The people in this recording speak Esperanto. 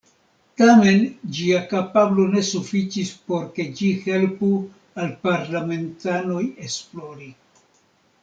Tamen ĝia kapablo ne sufiĉis por ke ĝi helpu al parlamentanoj esplori.